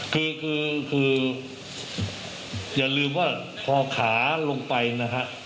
คือคืออย่าลืมว่าพอขาลงไปนะฮะ